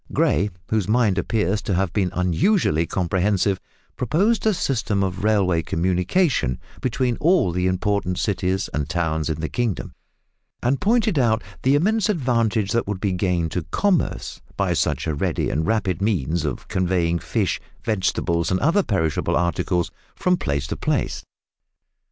Gray, whose mind appears to have been unusually comprehensive, proposed a system of railway communication between all the important cities and towns in the kingdom, and pointed out the immense advantage that would be gained to commerce by such a ready and rapid means of conveying fish, vegetables, and other perishable articles from place to place.